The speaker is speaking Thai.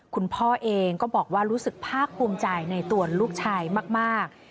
คุณพ่อเองก็บอกว่ารู้สึกภาคภูมิใจในตัวลูกชายมาก